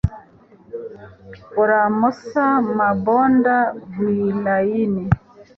Galamossa Mabonda Guillain